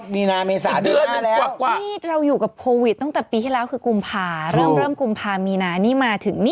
นี่เราอยู่กับโพวิสต์ตั้งแต่ปีที่แล้วคือกุมผาครับเริ่มกุมพามีนานี่มาถึงนี่